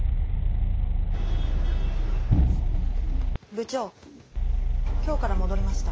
部長今日から戻りました。